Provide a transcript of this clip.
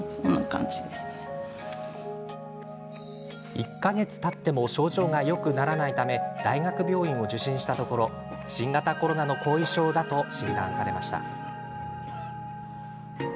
１か月たっても症状がよくならないため大学病院を受診したところ新型コロナの後遺症だと診断されました。